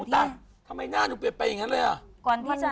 ทำไมหน้าหนูเปรียบไปอย่างนั้นเลยอะ